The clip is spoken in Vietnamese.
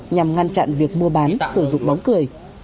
nhằm ngăn chặn việc mua bán sử dụng bóng cười